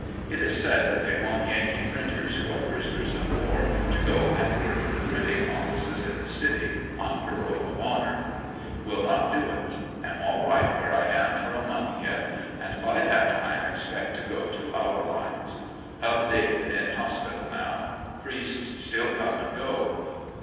It is said that they want Yankee printers who are prisoners of war to go and work in the printing offices in the city on parole of honor(?). Will not do ^t. Am all right where I am for a month yet, and by that time 106 ANDER80NYILLE DIAB T. expect to go to our lines. Hub Dakin in hospital now. Priests still come and go.